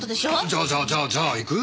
じゃあじゃあじゃあ行く？